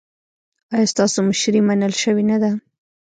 ایا ستاسو مشري منل شوې نه ده؟